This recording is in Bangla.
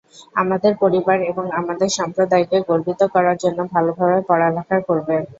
আমাদের পরিবার এবং আমাদের সম্প্রদায়কে গর্বিত করার জন্য ভালভাবে পড়ালেখা করবে।